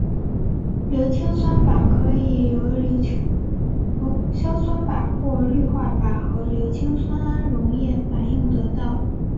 硫氰酸钯可由硝酸钯或氯化钯和硫氰酸铵溶液反应得到。